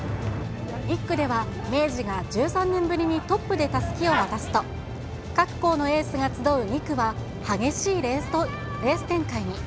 １区では、明治が１３年ぶりにトップでたすきを渡すと、各校のエースが集う２区は、激しいレース展開に。